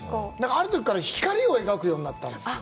あるときから光を描くようになったんです。